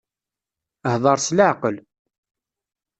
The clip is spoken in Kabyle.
Hḍeṛ s leɛqel.